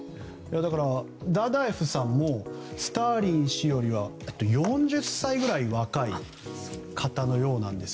ダダエフさんもスターリン氏よりも４０歳ぐらい若い方のようなんです。